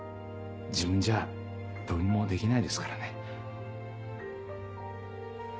自分じゃどうにもできないですからね。